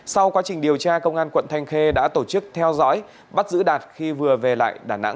sau quá trình điều tra công an quận thanh khê đã tổ chức theo dõi bắt giữ đạt khi vừa về lại đà nẵng